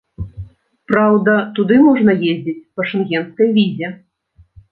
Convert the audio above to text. Праўда, туды можна ездзіць па шэнгенскай візе.